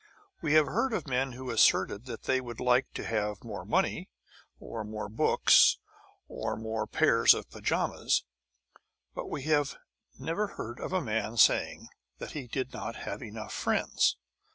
We have heard of men who asserted that they would like to have more money, or more books, or more pairs of pyjamas; but we have never heard of a man saying that he did not have enough friends.